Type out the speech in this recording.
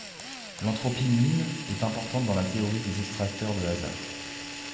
L'entropie min est importante dans la théorie des extracteurs de hasard.